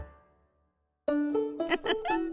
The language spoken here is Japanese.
ウフフ。